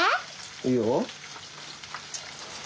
いいよ。